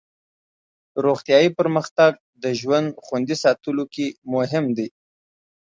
روغتیایي پرمختګ د ژوند خوندي ساتلو کې مهم دی.